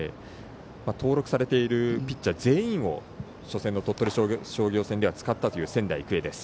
登録されているピッチャー全員を初戦の鳥取商業戦では使ったという仙台育英です。